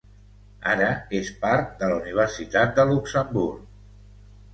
Ara és part de la Universitat de Luxemburg.